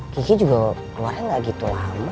kiki juga keluar nggak gitu lama